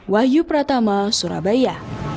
wahyu pratama surabaya